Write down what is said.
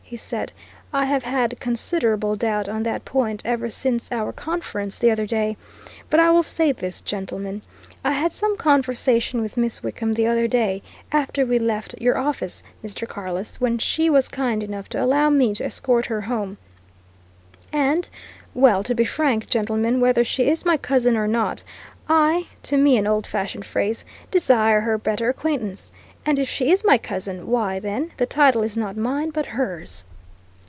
he said. "I have had considerable doubt on that point ever since our conference the other day. But I will say this, gentlemen: I had some conversation with Miss Wickham the other day, after we left your office, Mr. Carless, when she was kind enough to allow me to escort her home, and well, to be frank, gentlemen, whether she is my cousin or not, I to me an old fashioned phrase desire her better acquaintance! And if she is my cousin, why, then the title is not mine but hers!"